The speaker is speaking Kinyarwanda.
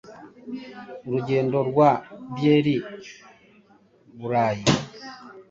Urugendo rwa byeri i Burayi.